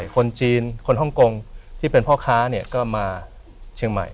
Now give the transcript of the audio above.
คนจีนคนฮ่องกงที่เป็นพ่อค้าเนี่ยก็มาเชียงใหม่